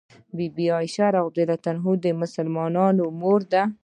بي بي عائشه رض د مسلمانانو مور ده